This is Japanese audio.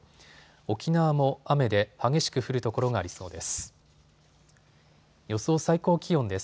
沖縄も雨で激しく降る所がありそうです。